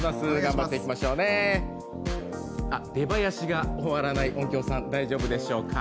出囃子が終わらない、音響さん大丈夫でしょうか？